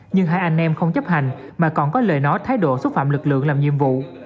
nhưng hai anh em không chấp hành mà còn có lời nói thái độ xúc phạm lực lượng làm nhiệm vụ